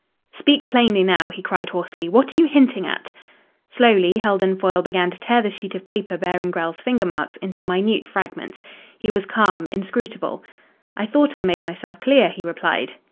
"Speak plainly now!" he cried hoarsely. "What are you hinting at?" Slowly Heldon Foyle began to tear the sheet of paper bearing Grell's finger marks into minute fragments. He was calm, inscrutable. "I thought I made myself clear," he replied.